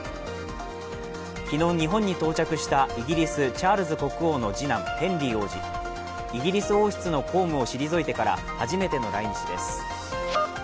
昨日、日本に到着したイギリス、チャールズ国王の次男ヘンリー王子イギリス王室の公務を退いてから初めての来日です。